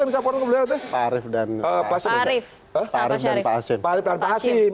pak arief dan pak hasim